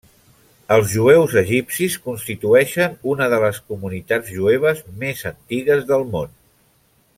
Els jueus egipcis constitueixen una de les comunitats jueves més antigues del món.